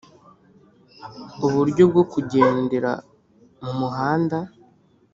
uburyo bwo kugendera mu muhanda.